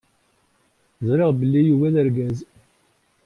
Ẓriɣ belli Yuba d argaz.